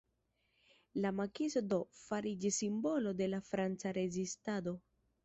La Makiso do, fariĝis simbolo de la Franca rezistado.